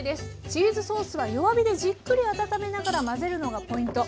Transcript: チーズソースは弱火でじっくり温めながら混ぜるのがポイント。